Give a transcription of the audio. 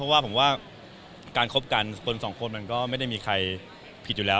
เพราะผมว่าการคบกันสองคนก็มันไม่มีชีวิตทั้งผู้